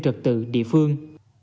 trực tự địa phương